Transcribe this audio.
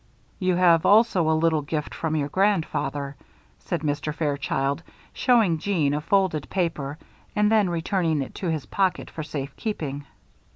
"You have also a little gift from your grandfather," said Mr. Fairchild, showing Jeanne a folded paper and then returning it to his pocket for safe keeping.